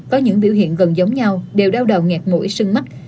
có những biểu hiện gần giống nhau đều đau đầu nghẹt mũi sưng mắt